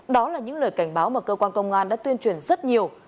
đó là những lời cảnh báo mà cơ quan công an đã tuyên truyền rất nhiều